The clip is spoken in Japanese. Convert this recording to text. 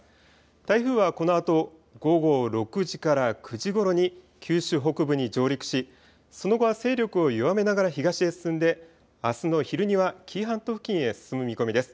台風はこのあと午後６時から９時ごろに九州北部に上陸し、その後は勢力を弱めながら東へ進んであすの昼には紀伊半島付近へ進む見込みです。